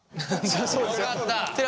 よかった！